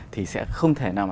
thì sẽ không thể nào